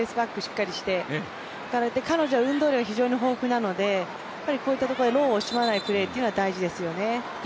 プレスバックをしっかりして、彼女は運動量が非常に豊富なので、こういったところで労を惜しまないプレーが必要ですよね。